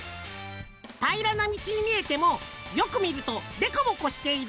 たいらなみちにみえてもよくみるとでこぼこしている。